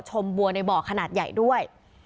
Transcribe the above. ชมบัวในบ่อขนาดใหญ่ด้วย